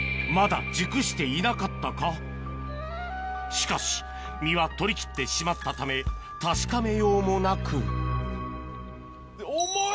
まだしかし実は採りきってしまったため確かめようもなく重い！